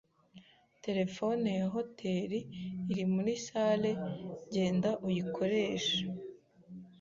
Terefone ya hoteri iri muri salle genda uyikoreshe